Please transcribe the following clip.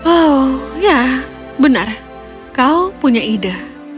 oh ya benar kau punya ide